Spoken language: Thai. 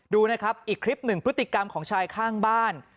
ดูนะครับอีกคลิปหนึ่งพฤติกรรมของชายข้างบ้าน